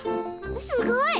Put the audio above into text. すごい！